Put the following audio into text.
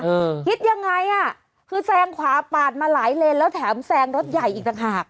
คิดยังไงอ่ะคือแซงขวาปาดมาหลายเลนแล้วแถมแซงรถใหญ่อีกต่างหาก